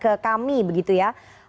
ke kami begitu ya